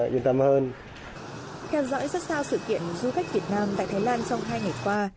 kheo dõi rất xa sự kiện du khách việt nam tại thái lan trong hai ngày qua